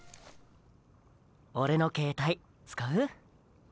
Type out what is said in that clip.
オレの携帯使う？